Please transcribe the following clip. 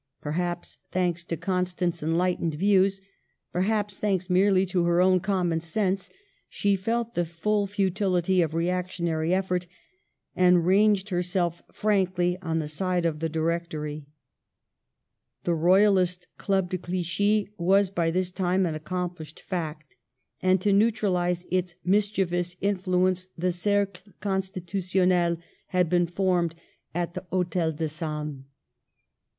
Perhaps thanks to Constant's enlight ened views, perhaps thanks merely to her own common sense, she felt the full futility of reac tionary effort, and ranged herself frankly on the side of the Directory. The royalist Club de Clichy was by this time an accomplished fact ; and to neutralize its mischievous influence the Cercle Constitutionnel had been formed at the Digitized by VjOOQIC 90 MADAME DE STA&L. H8tel de Salm.